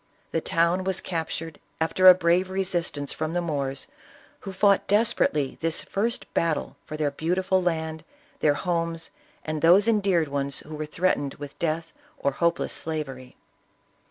The town was cap tured after a brave resistance from the Moors, who fought desperately this first battle for their beautiful land, their homes, and those endeared ones who were threatened with death or hopeless slavery.